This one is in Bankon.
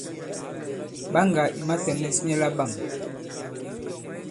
Ɓaŋgà ì matɛ̀nɛs nyɛ laɓâm.